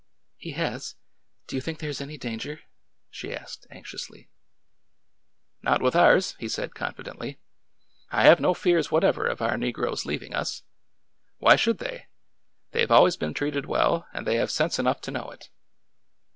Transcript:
He has ? Do you think there is any danger ?" she asked anxiously. '' Not with ours," he said confidently. I have no fears whatever of our negroes leaving us. Why should they ? They have always been treated well, and they have sense enough to know it."